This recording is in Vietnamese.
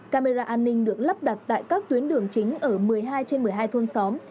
camera an ninh được lắp đặt tại các tuyến đường chính ở một mươi hai trên một mươi hai thôn xóm